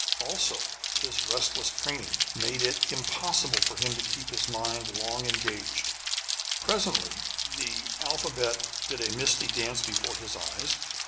Also, his restless training made it impossible for him to keep his mind long engaged; presently, the alphabet did a misty dance before his eyes.